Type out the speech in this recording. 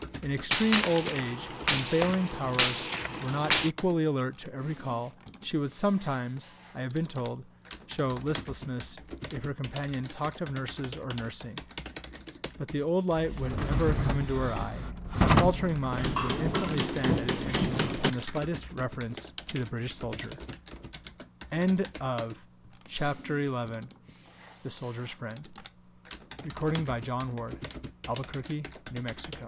In extreme old age, when failing powers were not equally alert to every call, she would sometimes, I have been told, show listlessness if her companion talked of nurses or nursing, but the old light would ever come into her eye, and the faltering mind would instantly stand at attention, upon the slightest reference to the British soldier. CHAPTER XII TO THE CRIMEA AGAIN (September 1855 July 18